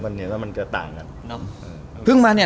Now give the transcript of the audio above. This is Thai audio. ใช่มันเกิดต่างกัน